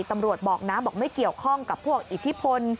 ตำรวจบอกนะบอกไม่เกี่ยวข้องกับพวกอิทธิพล